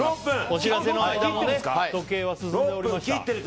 お知らせの間にも時計は進んでおりました。